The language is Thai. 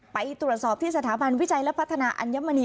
ไปตรวจสอบที่สถาบันวิจัยและพัฒนาอัญมณี